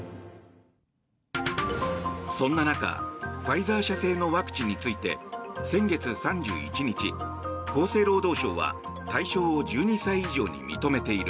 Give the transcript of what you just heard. そんな中、ファイザー社製のワクチンについて先月３１日、厚生労働省は対象を１２歳以上に認めている。